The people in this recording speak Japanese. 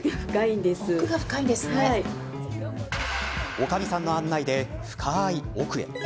おかみさんの案内で深い奥へ。